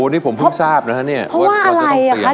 นี่ผมเพิ่งทราบนะฮะว่าจะต้องเปลี่ยนเพราะว่าอะไรคะ